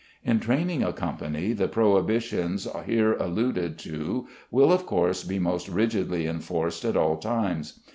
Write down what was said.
In training a company the prohibitions here alluded to will, of course, be most rigidly enforced at all times.